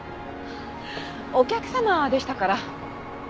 お客様でしたから。